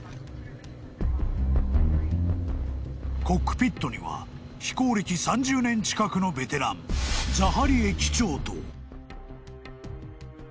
［コックピットには飛行歴３０年近くのベテランザハリエ機長と］